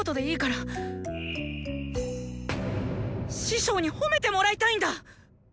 師匠に褒めてもらいたいんだ。